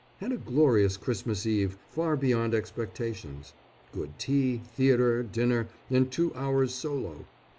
Had a glorious Christmas Eve, far beyond expectations. Good tea, theatre, dinner, and two hours' solo.